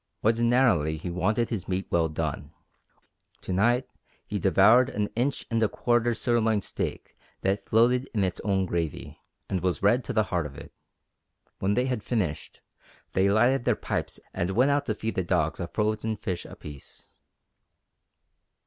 Ordinarily he wanted his meat well done; to night he devoured an inch and a quarter sirloin steak that floated in its own gravy, and was red to the heart of it. When they had finished they lighted their pipes and went out to feed the dogs a frozen fish apiece.